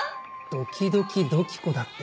ドキドキ土器子だって。